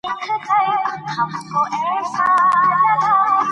د افغانستان جغرافیه کې کابل ستر اهمیت لري.